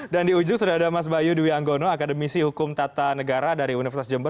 dan di ujung sudah ada mas bayu dwi anggono akademisi hukum tata negara dari universitas jember